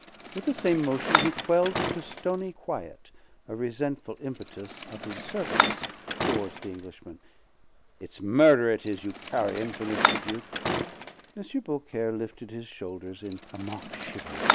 With the same motion he quelled to stony quiet a resentful impetus of his servants toward the Englishman. "It's murder, is it, you carrion!" finished the Duke. M. Beaucaire lifted his shoulders in a mock shiver.